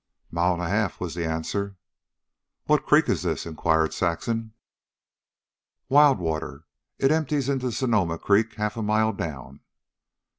"Mile an' a half," was the answer. "What creek is this?" inquired Saxon. "Wild Water. It empties into Sonoma Creek half a mile down."